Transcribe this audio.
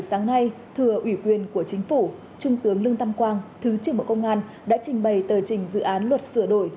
sáng nay thừa ủy quyền của chính phủ trung tướng lương tâm quang thứ trưởng bộ công an đã trình bày tờ trình dự án luật sửa đổi